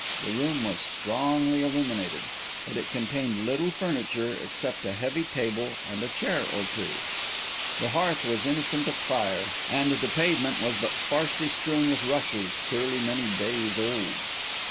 The room was strongly illuminated; but it contained little furniture except a heavy table and a chair or two, the hearth was innocent of fire, and the pavement was but sparsely strewn with rushes clearly many days old.